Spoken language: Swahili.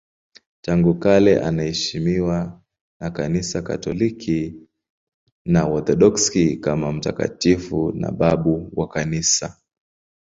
Tangu kale anaheshimiwa na Kanisa Katoliki na Waorthodoksi kama mtakatifu na babu wa Kanisa.